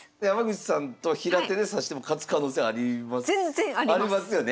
山口さんと平手で指しても勝つ可能性あります？